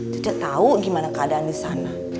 cece tau gimana keadaan di sana